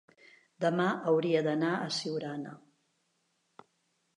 demà hauria d'anar a Siurana.